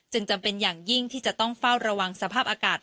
จำเป็นอย่างยิ่งที่จะต้องเฝ้าระวังสภาพอากาศ